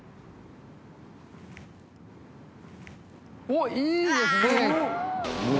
おっいいですね。